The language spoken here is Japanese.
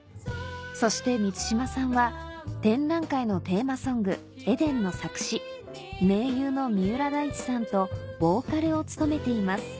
そして満島さんは展覧会のテーマソング『ｅｄｅｎ』の作詞盟友の三浦大知さんとボーカルを務めています